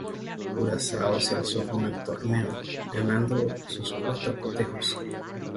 Curazao se alzó con el torneo, ganando sus cuatro cotejos.